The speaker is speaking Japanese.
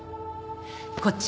こっち！